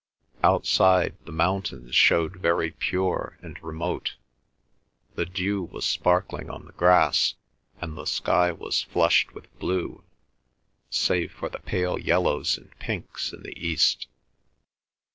Outside, the mountains showed very pure and remote; the dew was sparkling on the grass, and the sky was flushed with blue, save for the pale yellows and pinks in the East.